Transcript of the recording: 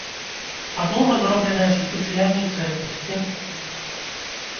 Падлога зробленая са спецыяльнай цэглы, сцены пабеленыя.